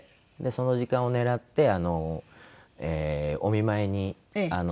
その時間を狙ってお見舞いに行かれてた。